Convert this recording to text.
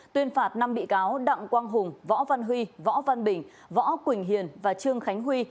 tuyên phạt năm bị cáo đặng quang hùng võ văn huy võ văn bình võ quỳnh hiền và trương khánh huy